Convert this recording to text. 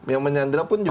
yang menyandra pun juga